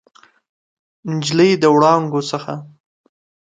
نجلۍ د وړانګو څخه